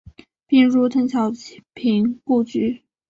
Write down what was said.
并入邓小平故居。